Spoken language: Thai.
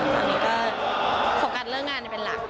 ตอนนี้ก็ส่งการเริ่มงานเป็นหลัก